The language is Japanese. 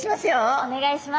お願いします。